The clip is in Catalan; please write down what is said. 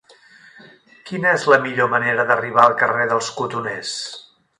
Quina és la millor manera d'arribar al carrer dels Cotoners?